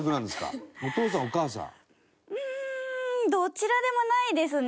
うーんどちらでもないですね。